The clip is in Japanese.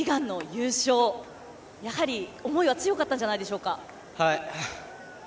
悲願の優勝思いは強かったんじゃないでしょうか？